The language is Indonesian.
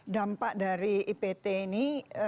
dampak dari ipt ini